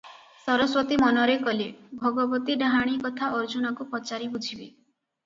ସରସ୍ୱତୀ ମନରେ କଲେ, ଭଗବତୀ ଡାହାଣୀ କଥା ଅର୍ଜୁନାକୁ ପଚାରି ବୁଝିବେ ।